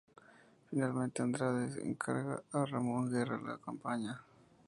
Finalmente, Andrade encarga a Ramón Guerra la campaña.